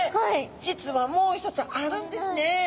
実はもう一つあるんですね。